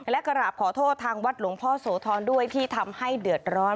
และกราบขอโทษทางวัดหลวงพ่อโสธรด้วยที่ทำให้เดือดร้อน